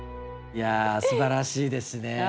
いやすばらしいですね。